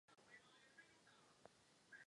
Články pravidelně publikuje ve svém blogu.